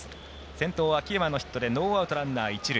先頭、秋山のヒットでノーアウト、ランナー、一塁。